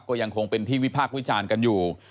ก็ยังคงเป็นที่วิพากษ์วิจารณ์กันอยู่